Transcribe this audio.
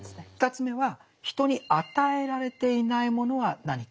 ２つ目は「人に与えられていないものは何か？」。